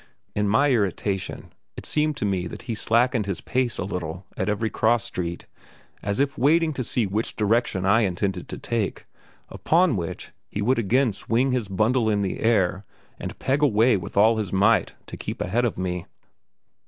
In my irritation it seemed to me that he slackened his pace a little at every cross street, as if waiting to see which direction I intended to take, upon which he would again swing his bundle in the air and peg away with all his might to keep ahead of me.